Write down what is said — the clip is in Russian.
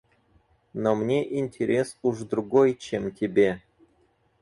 Но мне интерес уж другой, чем тебе.